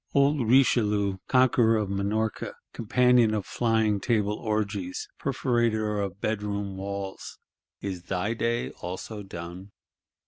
Old Richelieu, conqueror of Minorca, companion of Flying Table orgies, perforator of bedroom walls, is thy day also done?